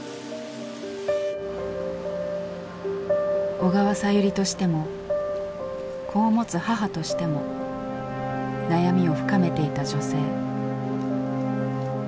「小川さゆり」としても子を持つ母としても悩みを深めていた女性。